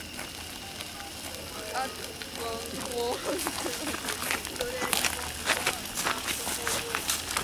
At Bound for Glory Drake won the Bound for Gold.